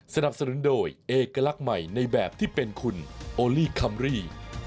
สนับสนุนโดยเอกลักษณ์ใหม่ในแบบที่เป็นคุณโอลี่คัมรี่